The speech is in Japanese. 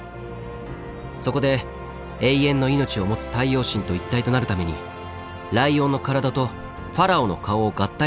そこで永遠の命を持つ太陽神と一体となるためにライオンの体とファラオの顔を合体させたと考えられています。